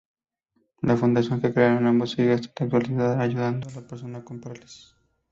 La fundación que crearon ambos sigue hasta la actualidad ayudando a personas con parálisis.